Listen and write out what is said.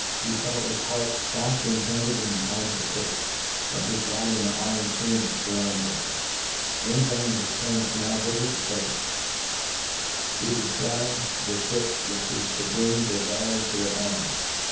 'he felt his hqart fafter entangled in the charms of Kate, than hi$ body in the iron chain which furroundcd it. ' In vain his parents ^now vifit the coa(f , to defcry the fhip which is to bring their darling, to their arms